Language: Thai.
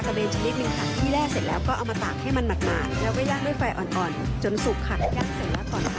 การเสร็จแล้วก่อนทานก็ต้องคิดแบบนี้แหละค่ะ